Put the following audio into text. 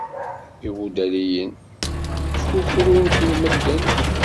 Ibudaliyen, ttkukrun-ten medden.